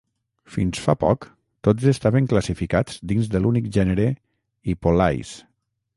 Fins fa poc, tots estaven classificats dins de l'únic gènere 'Hippolais'.